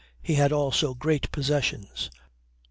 He had also great possessions.